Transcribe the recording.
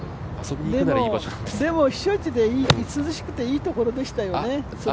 でも避暑地で涼しくていい時期でしたよね。